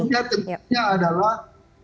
tugas berikutnya adalah